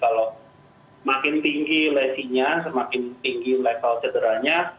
kalau makin tinggi lesinya semakin tinggi level cederanya